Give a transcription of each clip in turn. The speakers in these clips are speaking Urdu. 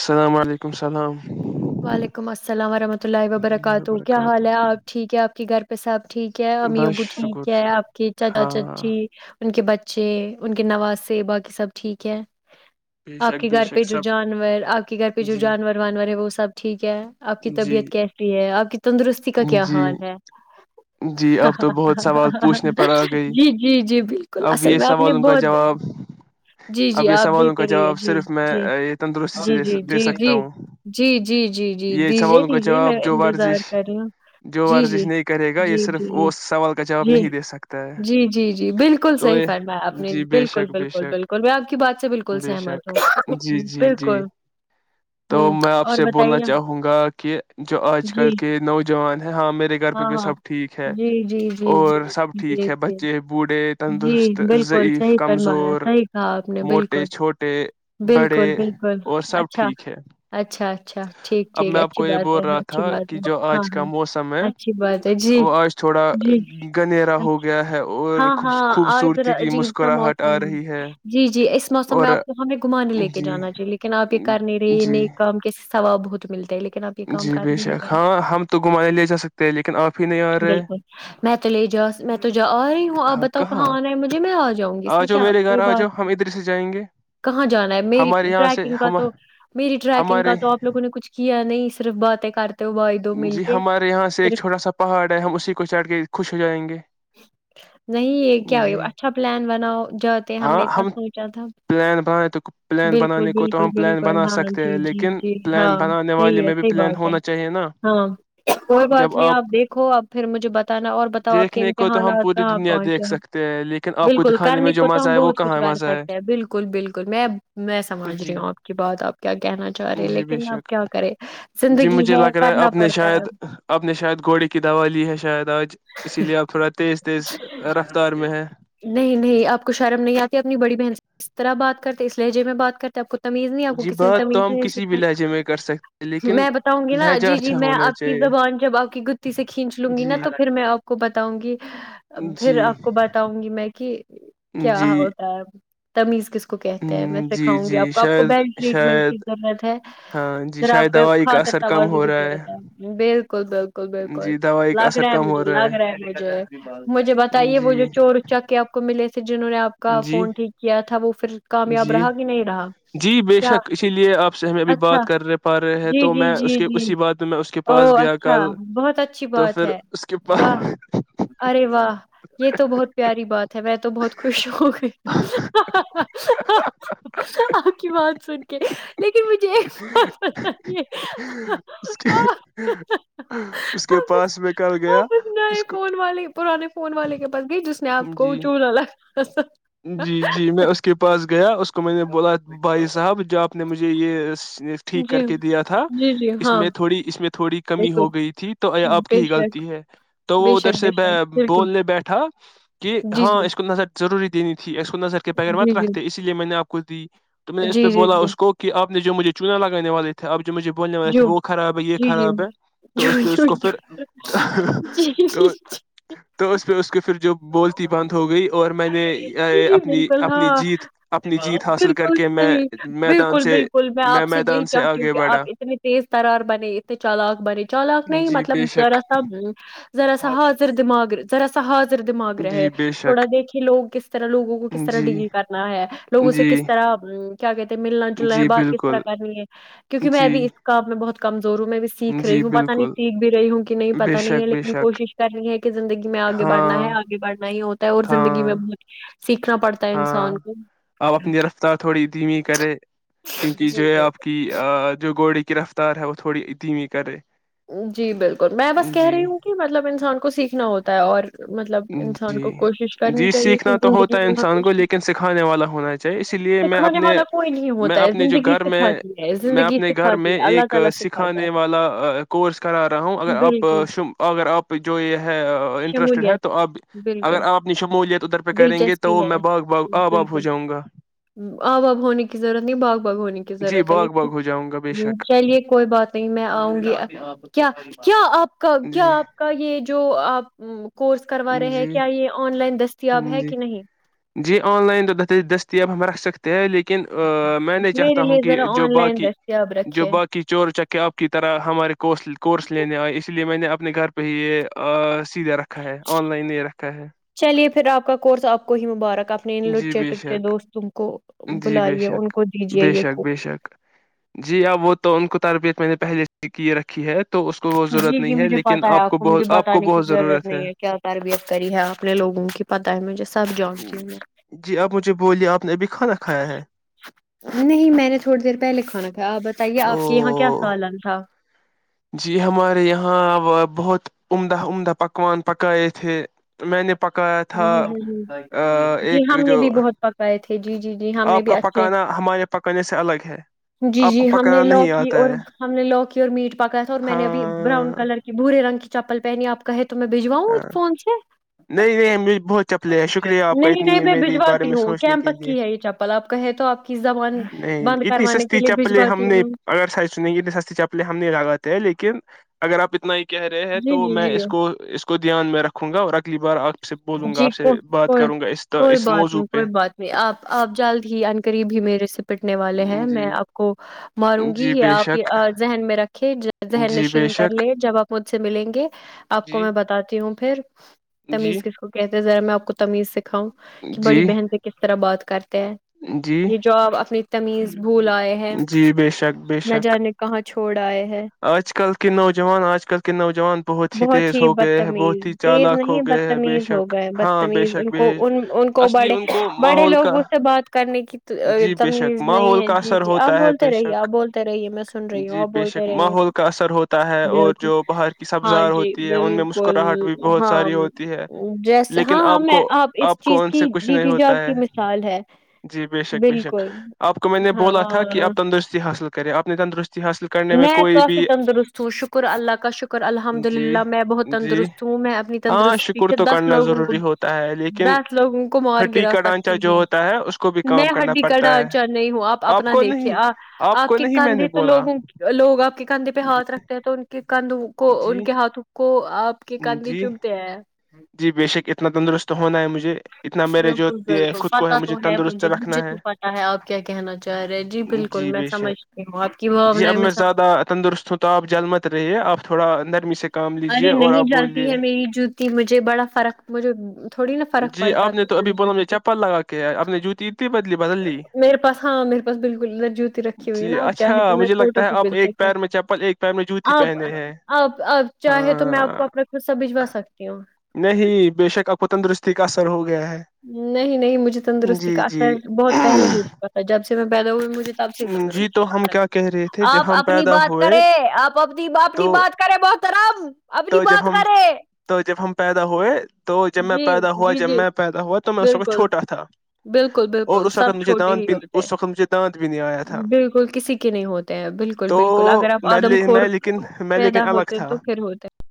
السلام علیکم السلام وعلیکم السلام ورحمۃ اللہ وبرکاتہ کیا حال ہے آپ ٹھیک ہے آپ کے گھر پہ صاحب ٹھیک ہے امی بس ابو ٹھیک شکر ہے آپ کے چا ہاں چچی ان کے بچے ان کے نواز سے باقی سب ٹھیک ہے بے آپ شک کے بے گھر پہ شک جو سب جانور آپ کے گھر پہ جو جی جانور وانور ہے وہ سب ٹھیک کیا آپ کی جی طبیعت کیسی ہے آپ کی تندرستی کا کیا جی حال ہے جی اب تو بہت سوال پوچھنے پر آ گئی جی جی جی بالکل اب اصل یہ میں آپ نے سوال ان کا بہت جواب جی اب جی یہ آپ سوالوں کا دیتے رہیے جواب جی صرف میں جی اے، یہ تندرستی سے دے جی سک- دے سکتا جی ہوں جی جی جی جی جی یہ دیجیے سوالوں کا دیجیے میں جواب جو انتظار ورزش کر رہی ہوں جو جی ورزش جی نہیں کرے گا یہ جی جی صرف جی وہ سوال کا جواب جی نہیں دے سکتا ہے جی جی جی بالکل تو صحیح یہ فرم اپپ نے جی بے بالکل شک بے بالکل شک بالکل میں آپ کی بات سے بالکل بے سہمت شک جی ہوں جی جی بالکل تو میں ہ آپ اور سے بولنا بتائیے چاہوں گا کہ جو آج کل جی کے نوجوان ہاں میرے گھر پہ ہاں بھی ہاں سب ٹھیک ہے جی جی جی جی اور سب جی ٹھیک ہے جی بچے بوڑھے جی تندرست بالکل ضعیف صحیح فرما رہا کمزور صحیح کہا آپ نے بالکل موٹے چھوٹے بڑے بالکل بالکل اور سب اچھا ٹھیک ہے اچھ اب میں آپ کو یہ بول رہا اچھی تھا بات ہے کہ جو ہاں آج ہاں کا موسم ہے اچھی بات ہے جی وہ آج تھوڑا جی گنھیرا اچھا ہو گیا ہے اور ہاں ہاں آجر خوبصورتی کی عجیب سا مسکراہٹ موسم آ رہی ہے جی جی اس موسم اور میں آپ کو ہمیں گھمانے لے کے جی جانا چاہیے لیکن آپ یہ کر نہیں رہی یہ جی نیک کام کس سبب بہت ملتا ہے لیکن آپ یہ کام جی کر بے ہی نہیں شک رہے ہیں ہاں ہم تو گھمانے لے جا سکتے ہیں لیکن آپ ہی نہیں آ رہے مي تلجاس تجا اپ بتاؤ کہاں انا ہے مجھے میں ا جاؤں جاؤں گی اس آ میں جاؤ کیا میرے گھر کوئی آ بات جاؤ ہم ادھر سے جائیں گے کہاں جانا ہے میری ہمارے یہاں سے ٹریکنگ کا ہم تو میری ٹریکنگ ہمارے کا تو آپ لوگوں نے کچھ کیا نہیں صرف بات ہے جی ہمارے یہاں سے ایک چھوٹا سا پہاڑ ہے ہم اسی کو چڑھ کے خوش ہو جائیں گے نہیں یہ کیا جی اچھا پلان بناؤ جاتے ہم نے اتنا سوچا تھا پلان بنانے تو پلان بالکل بنانے کو تو بالکل ہم پلان بالکل بنا ہاں سکتے جی ہیں جی لیکن جی پلان ہاں بنانے والے صحیح ہے میں بھی صحیح پلان بات ہے ہونا چاہیے نا کوئی بات نہیں آپ دیکھو آب پھر مجھے بتانا اور بتاؤ آپ کے دیکھنے کو تو ہم اتحانات پوری کہاں دنیا دیکھ پہنچے سکتے ہیں لیکن آپ کو بالکل دکھانے میں کرنے جو کو تو مزہ ہم ہے وہ بہت کچھ کہاں کر مزہ ہے سکتے ہیں بالکل بالکل میں میں سمجھ رہی جی ہوں آپ کی بات آپ کیا کہنا چاہ رہے جی بے لیکن شک آپ کیا کرے جی زندگی مجھے ہے لگ رہا کرنا آپ نے پڑتا ہے شاید آپ نے شاید گھوڑے کی دوا لی ہے شاید آج اسی لیے آپ تھوڑا تیز تیز رفتار میں ہے نہیں نہیں آپ کو شرم نہیں آتی اپنی بڑی بہن سے اس طرح بات کرتے اس لہجے میں بات کرتے ہیں آپ کو تمیز نہیں آپ کو جی کسی نے بات تمیز تو ہم نہیں کسی بھی لہجے میں کر سکتے ہیں سکھائی لیکن میں بتاؤں گی نا لہجہ جی جی اچھا میں ہونا آپ کی چاہیے زبان جب آپ کی گتی سے کھینچ لوں گی نا جی تو پھر میں آپ کو بتاؤں گی پھر جی آپ کو بتاؤں گی میں کہ کیا جی ہوتا ہے تمیز کس کو کو کہتے ہیں میں ہم، جی سکھاؤں گی آپ جی کو آپ کو شاید بیلٹ ٹریٹمنٹ کی شاید ضرورت ہے ہاں جی پھر آپ شاید کے دوائی کا خھاطر اثر کم توازن ہو کی رہا ضرورت ہے بالکل بالکل بالکل جی دوائی کا لگ اثر رہا ہے کم ہو مجھے لگ رہا مجھے مجھے ہے بتائیے وہ جو جی چور اونچا کے آپ کو ملے ھر جنہوں نے آپ کا جی فون ٹھیک کیا تھا وہ پھر کامیاب جی رہا کہ نہیں رہا جی بے کیا شک اسی لیے آپ سے ہمیں ابھی اچھا بات کر رہ پا رہے ہیں جی تو جی میں اس جی کے جی اسی بات میں میں اس کے او پاس گیا اچھا کل بہت اچھی تو بات پھر ہے اس کے واہ پاس ارے واہ یہ تو بہت پیاری بات ہے میں تو بہت خوش ہوں آپ کی بات سن کے مجھے ایک بات بتائیے اس کے آپ اس کے پاس میں کل گیا آپ نئے اس کو فون والے پرانے فون والے کے پاس گئی جس نے آپ کو جی چولہا لگا جی جی میں اس کے پاس گیا اس اس کو میں نے بولا بھائی صاحب جو آپ نے مجھے یہ ٹھیک کر جی کے دیا تھا جی جی اس ہاں میں تھوڑی اس میں تھوڑی کمی ہو بالکل گئی تھی تو آپ بے کی ہی شک غلطی ہے تو بے وہ ادھر شک سے بے شک بالکل بولنے بیٹھا جی ہاں اس کون ن سا [unintelligible] دینی تھی اس کو نظر کے پغگروات جی رکھتے اس لیے میں نے آپ کوود تو میں نے اس جی پہ جی جی بولا جی اس کو کہ آپ جو مجھے چونا لگانے والے تھے اب جو ب جو وہ خراب یہ جی جی خراب تو جو پو اس جو کفر جی جی جی تو پ کےھر جو بولتی بند ہو گئی اور میں نے جی اے، جی اپنی بالکل اپنی ہاں جیت اپنی جیت حاصل کر بالکل کے میں صحیح میدان بالکل سے بالکل میں آپ سے یہی میدان چاہتی ہوں آگے کہ بڑھا آپ اتنے تیز ترار بنے اتنے چالق بنے چالق نہیں جی مطلب بے شک ذرا سا ذا سا حاضر دمغ ذا سا دماغ رہے جی بے تھوڑا شک دیکھیے لوگ کس طرح لوگوں کو کس طرح جی ڈیل کرنا ہے لوگوں سے جی کس طرح کیا کہتے ہیں ملنا جلنا ہے جی بات کس طرح بالکل کرنی ہے کیونکہ میں ا جی بھی اس کام میں بہت کمزور ہوں میں بھی سیکھ جی رہی ہوں پتا نہیں بالکل سیکھ بھی رہی ہوں کہ نہیں بے پتا نہیں ہے شک بے لیکن شک کوشش کرنی ہے کہ زندگی میں آگے بڑھ ہاں نا ہے آگے بڑھنا ہی ہوتا ہے اور زندگی میں ہاں بہت سیکھنا پڑتا ہے ہاں انسان کو اب اپنی رفتار تھوڑی دھیمی کر کیونکہ جو جی ہے بالکل آپ کی جو گوڑے گرفتار ہوو تھوڑی ادمی کرے جی بالکل میں بس کہہ جی رہی ہوں کہ مطلب انسان کو سیکھنا ہوتا اور مطلب انسان جی کو کوشش کرنی جی چاہیے کہ سیکھنا تو زندگی ہوتا ہے میں انسان کو ہمیشہ لیکن سکھانے والا ہونا چاہیے اسی لیے میں سکھانے اپنے والا کوئی نہیں میں ہوتا ہے اپنے جو زندگی گھر میں سکھاتی ہے میں زندگی اپنے گھر سکھاتی میں ہے اللہ ایک تعالی سکھاتا سکھانے والا کورس کرا رہا ہوں اگر ہے آپ بالکل ش اگر آپ جو یہ ہے انٹرسٹیڈ ہے تو شمولیت آپ اگر بالکل آپ اپنی شمولیت ادھر پہ کریں گے دلچسپی تو ہے میں باغ باغ آب آب ہو بالکل جاؤں گا آب آب ہونے کی ضرورت نہیں باغ باغ ہونے کی جی ضرورت ہے باغ باغ ہو جاؤں گا بے لیکن شک چلیے کوئی بات نہیں میں آؤں گی آپ کیا کیا آپ کب کیا جی آپ کا یہ جو آپ کورس کروا رہے ہیں جی کیا یہ آن لائن دستیاب ہ ہے جی کہ نہیں جی آن لائن تو دستیاب ہمارا سکتے ہیں لیکن ن میں نہیں میرے چاہتا ہوں لیے کہ ذرا جو آن لائن باقی دستیاب جو رکھے باقی چور چکے آپ کی طرح ہمارے کورس لینے آئے اس لیے میں نے آپ اپنے گھر پہ ہی سیدھے ر آن لائن لے رکھا ہے چلیے پھر آپ کا کورس آپ کو ہی مبارک اپنے ان جی لچے بے ٹچے شک دوستوں کو جی بے بلائیے ان شک کو دیجیے بے یہ شک کو بے شک جی اب وہ تو ان کو تربیت میں نے پہلے سے کی رکھی ہے تو اس کو وہ جی ضرورت جی نہیں ہے مجھے لیکن پتہ ہے آپ کو مجھے بہت آپ کو بتانے کی بہت ضرورت نہیں ہے کیا تربیت کری ہے اپنے لوگوں کی پتہ ہے مجھے سب جانتی ہوں جی آپ مجھے بولیے آپ نے ابھی کھانا کھایا ہے نہیں میں نے تھوڑی دیر پہلے کھانا تھا آپ بتائیے او آپ کے یہاں کیا سالن تھا جی ہمارے یہاں بہت عمدہ عمدہ پکوان پکائے تھے میں نے پکایا ہ تھا ہ ہ ہ جی ایک ہم نے جو بھی بہت پکائے تھے جی جی جی ہم نے بھی اچھے کنی سے الگ ہے [inaudible] جی آپ کو جی ہم نے پکانا لو نہیں کی آتا اور ہے ہم نے لو کی اور میٹ پکایا تھا اور میں نے ابھی براؤن ہاں کلر کے برے رنگ کی چپل پہنی آپ کہ تو تو میں بجواؤں ہاں فون سے نہیں نہیں مجھے بہت چپلے ہے شکریہ آپ کا نہیں اتنی نہیں میں میرے بارے بجواتی میں سوچنے کے ہوںمپس لیے کی ہے یہ چپل آپ کہے تو آپ کی زبان نہیں بند اتنی کروانے کے سستی لیے چپلیں ہم بھجواتی نے ہوں اگر سائز سن گے اتنی سستی چپلیں ہم نہیں لگاتے ہیں لیکن اگر آپ اتنا ہی کہہ رہے ہیں جی تو جی میں جی اس کو اس کو کو دھیان میں رکھوں گا اور اگلی بار آپ سے بولوں گا جی آپ سے کو بات کوئی کروں گا اس کوئی اس بات موضوع نہیں پہ کوئی بات نہیں آپ آپ جلد ہی ان قریب ہی میرے سے پ رنے والے ہیں میں جی آپ کو ماروں گی جی یہ بے آپ شک ذہن میں رکھ ذہن جی بے نشین کر شک لے جب آپ مجھ سے ملیں گے آپ کو جی میں بتاتی ہوں پھر جی تمیز کس کہتے ذرا میں آ کو تمیز سے کہ بڑی جی بہن سے کس طرح بات کرتے جی یہ جاب اپنی تمیز بھول آئے ہیں جی بے شک بے نہ شک جانے کہاں چھوڑ بائے آج کل کے نوجوان آج کل کے نوجوان بہت ہی تیز ہو گئے ہیں بدتمیز بہت ہی تیز چالاک ہو نہیں گئے ہیں بے بدتمیز ہو شک گئے ہاں بے بدتمیز ان شک بے کو ان کو اصلی بڑے ان کو بڑے ماحول کا لوگ اس سے بات کرنے کی جی بے شک تمیز نہیں ماحول ہے کا جی اثر جی آپ ہوتا ہے بولتے بے رہیے شک آپ بولتے رہیے میں سن رہی ہوں جی آپ بے بولتے شک رہیے ماحول کا اثر ہوتا ہے اور بالکل جو باہر کی ہاں سبزار جی ہوتی ہے ان میں بالکل مسکراہٹ بھی بہت ہاں ساری ہوتی ہے جیسے لیکن ہاں ہاں آپ کو میں اس آپ کو چیز ان سے کی کچھ نہیں جیتی ہوتا ہے جاگتی مثال ہے جی بے شک بے شک بالکل آپ کو میں نے بولا تھا کہ ہاں آپ تندرستی حاصل کریں آپ نے تندرستی حاصل کرنے میں کوئی کافی بھی تندرست ہوں شکر اللہ کا شکر الحمد جی للہ میں بہت جی تندرست ہوں میں اپنی ہاں تندرست شکر سے تو دس کرنا لوگوں کو ضروری ہوتا ہے لیکن دس لوگوں کو مار ہڈی گرا کا ڈھانچہ سکتی جو ہوں ہوتا ہے اس کو بھی میں کام کرنا ہڈی گڑ پڑتا ہے چاہ نہیں ہوں آپ اپنا کو دیکھیے نہیں آپ آ کو کے نہیں میں نے کنددے تو بولا لوگوں لوگ کند جی پہات رکھتے ہیں تو کاندو کو ان جی کے ہاتھوں کو آپ کی کدھی جی چبتے ہیں جی بے شک اتنا تندرست [inaudible] آم اتنا میرے جو بالکل یہ بالکل خود کو ہے پتا تو مجھے تندرست مجھے رکھنا ہے تو پتا ہے آپ کیا کہنا چاہ رہے ہیں۔ بالکل جی میں بے شک سمجھتی ہوں آپ کی جی اب بھاونائیں میں سمجھتی زیادہ تندرست ہوں تو آپ مت رہیے آپ تھوڑا [inaudible] ارے اور نہیں آپ جاتی بولیے ہے میری جوتی مجھے بڑا فرق مجھے تھوڑی نا فرق جی پڑتا آپ نے تو ابھی بولا مجھے ہے چپل لگا کے ہے آپ نے جوتی ا تھی میرے پاس ہاں میرے پاس بالکل ادر جوتی رکھی ہوئی ہے جی نا آپ اچھا چاہیں تو میں مجھے فوٹو لگتا ہے بھی آپ بھیج ایک سکتی ہوں پیر میں چپل ایک پیر میں جوتی آپ پہنے ہیں آپ آپ چاہیں تو میں آپ کو ہاں اپنا خرصہ بجوا سکتی ہوں سر ہوگا نہیں نہیں مجھے تندرستی جی کا جی اثر بہت پہلے ہو چکا تھا جب سے میں پیدا ہوئی مجھے تب سے جی تو تندرست ہم کیا کہہ رہے تھے جب آپ ہم اپنی پیدا بات ہوئے کرے آپنی تو بات کرے بر اپنی تو جب بات ہم کرے تو جب ہم پیدا ہوئے تو جب میں جی پیدا ہوا جی جب جی میں پید بالکل بالکل بالکل اور اس سب وقت مجھے چھوٹے ہی دانت بھی ہوتے ہیں اس وقت مجھے دانت بھی نہیں آیا تھا بالکل کسی کے نہیں ہوتے ہیں بالکل تو بالکل اگر آپ میں آدم لے- خور میں لیکن میں پیدا لیکن الگ ہوتے ہیں تھا تو پھر ہوتے ہیں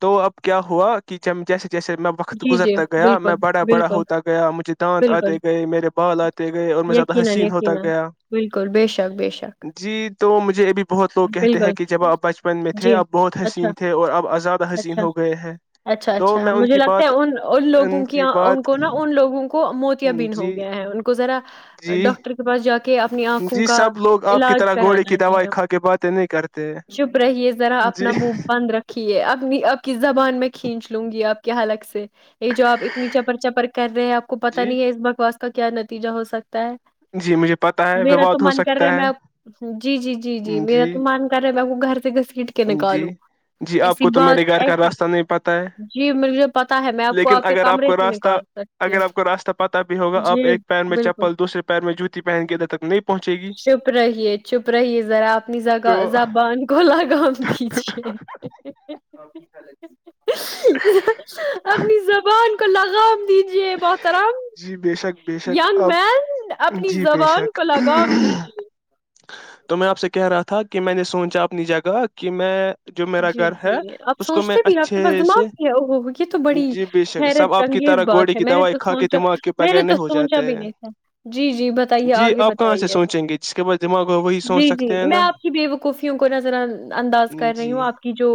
تو اب کیا ہوا کی چمچا جیسے میں وقت جی گزر جی گیا میں بالکل بڑا بڑا بالکل ہوتا گیا مجھے دانت آتے بالکل گئے میرے بال آتے گئے اور میں زیادہ یقینا حسین ہوتا یقینا گیا بالکل بے شک بے شک جی تو مجھے یہب بہت لوگ کہتے ہیں بالکل کہ جب آپ بچپن میں تھے جی اب بہت اچھا حسین تھے اور اب آزادہ حسین اچھا ہو گئے ہیں اچھا تو اچھا میں ان کی بات [unintelligible] ان کی ان کو نا ان لوگوں کو موتیاں بین جی ہو گیا ہے ان کو ذرا جی ڈاکٹر کے پاس جاتے کہ اپنی آنکھوں جی کا سب لوگ آپ کی علاج طرح گھوڑے کی کرانا دوائی چاہیے کھا کے باتیں نہیں کرتے چپ رہیے ذرا جی اپنا منہ بند رکھیے اپنی آپ کی زبان میں کھینچ لوں گی آپ کے حالک سے یہ جو آپ اتنی چپر چپر کر رہے ہیں آپ کو پتا جی نہیں ہے اس بک واس کا کیا نتیجہ ہو سکتا ہے جی مجھے پتا ہے میرا تو وواد ہو من کر رہا سکتا میں جی جی جی جی میرا تو من کر رہا میں کو گھر سے گھسیٹ کے جی نکالوں جی آپ ایسی کو تو میرے بات گھر کا ایسی راستہ نہیں پتہ ہے جی مطلب لیکن اگر آپ کو راستہ سکتی ہوں اگر آپ کو راستہ پتہ بھی ہوگا آپ جی ایک پیر میں بالکل چپل دوسرے پیر میں جوتی پہن کے ادھر تک نہیں پہنچے گی چپ رہیے چپ رہیے ذرا اپنی تو زبان کو لگام دیجے [inaudible] [inaudible] اپنی زبان کو لگ گام دیجیے مہترم جی بے شک بے شک ینگ اب مین اپنی جی بے زبان شک کو لگام دیجے تو میں آپ سے کہہ رہا تھا کہ میں نے سوچا اپنی جگہ کہ میں جو میرا جی گھر ہے جی آپ اس کو میں سوچتے بھی آپ اچھے کے پاس دماغ سے بھی اوہ اوہ اوہ یہ تو بڑی جی بے شک سب حیرت آپ کی انگیز طرح گوڑی بات کی میں نے دوائی تو کھا کے سوچا دماغ کے میں نے بغیر تو نہیں ہو سوچا جاتے بھی ہیں نہیں تھا جی جی بتائیے جی آگے آپ کہاں سے بتائیے سوچیں گے جس کے پاس دماغ ہو وہی سوچ جی جی سکتے ہیں میں نا آپ کی بے وقوفیوں کو نظر انداز کر رہی ہوں جی آپ کی جو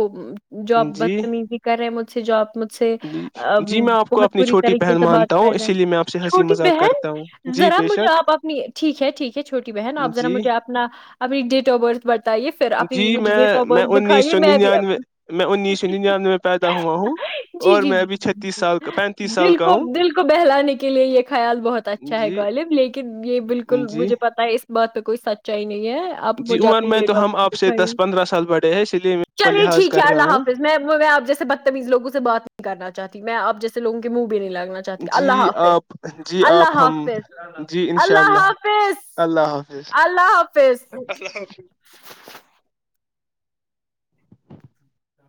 جو آپ جی بدتمیزی کر رہے ہیں مجھسے مجھ سے جو آپ مجھ سے جی جی میں آپ کو بہت اپنی بری چھوٹی طریقے بہن سے بات مانتا کر ہوں رہے اسی ہیں لیے میں آپ سے ہنسی چھوٹی مذاق کرتا ہوں بہن جی ذرا بے مجھے شک آپ آپنی ٹھیک ہے ٹھیک ہے چھوٹی بہن آپ ذرا جی مجھے اپنا اپنی ڈیٹ آف برتھ بتائیے پھر جی اپنیجھ میں ڈیٹ آف میں دکھائیں انیس سو ننانوے میں انیس سو ننانوے میں پیدا ہوا ہوں جی اور جی میں جی ابھی چھتیس جی جی سال کا پینتیس سال دل کا کو ہوں دل کو بہلانے کے لیے یہ خیال بہت اچھا ہے جی غالب لیکن یہ بالکل جی مجھے پتا ہے اس بت کوئی سچا ہی نہیں ہے آپ جی مجھے عمر اپنی میں تو ڈیٹ آف ہم برتھ آپ سے دکھائیے دس پندرہ سال بڑے ہیں لیے میں آپ کو چلیے لحاظ ٹھیک ہے کر رہا اللہ ہوں حافظ میں میں آپ جیسے بدتمیز لوگوں سے بات نہیں کرنا چاہتا میں اب جیےوگ کے منہ بھی نہیں لگا نا چاہتی ہیں اللہ جی حافظ آپ جی اللہ آپ ہم حافظ جی انشاء اللہ حافظ اللہ حافظ اللہ حافظ